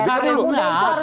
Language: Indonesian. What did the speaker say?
karena maman harus berproses